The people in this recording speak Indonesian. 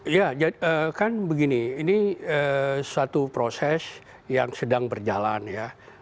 ya kan begini ini suatu proses yang sedang berjalan ya